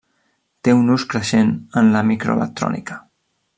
Té un ús creixent en la microelectrònica.